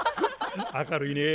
明るいねぇ。